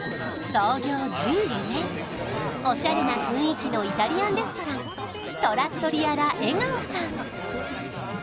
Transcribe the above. おしゃれな雰囲気のイタリアンレストラントラットリアラ・エガオさん